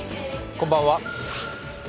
こんばんは。